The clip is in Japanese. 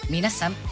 ［皆さん。